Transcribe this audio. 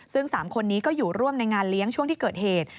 ซึ่ง๓คนนี้ก็อยู่ร่วมในงานเลี้ยงช่วงที่เกิดเหตุ